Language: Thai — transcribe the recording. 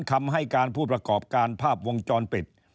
คำให้การผู้ประกอบการภาพวงจรปิด